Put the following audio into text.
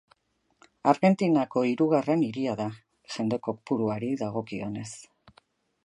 Argentinako hirugarren hiria da, jende kopuruari dagokionez.